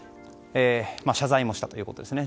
謝罪もしたということですね。